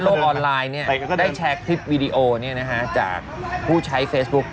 ออนไลน์ได้แชร์คลิปวีดีโอจากผู้ใช้เฟซบุ๊ค